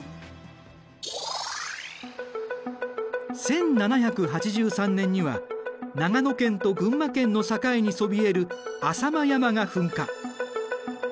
１７８３年には長野県と群馬県の境にそびえる浅間山が噴火。